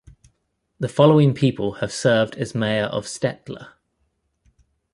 The following people have served as mayor of Stettler.